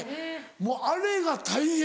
もうあれが大変！